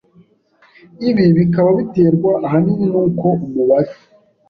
Ibi bikaba biterwa ahanini nuko umubare